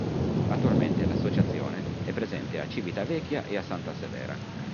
Attualmente l'Associazione è presente a Civitavecchia e a Santa Severa.